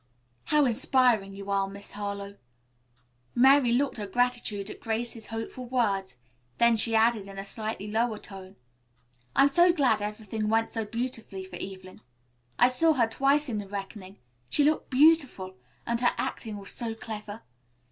"How inspiring you are, Miss Harlowe." Mary looked her gratitude at Grace's hopeful words; then she added in a slightly lower tone: "I'm so glad everything went so beautifully for Evelyn. I saw her twice in 'The Reckoning.' She looked beautiful, and her acting was so clever.